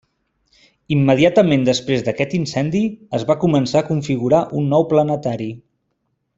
Immediatament després d'aquest incendi, es va començar a configurar un nou planetari.